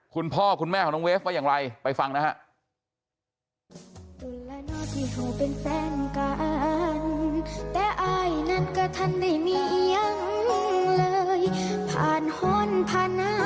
คุณพ่อคุณแม่ของน้องเวฟว่าอย่างไรไปฟังนะฮะ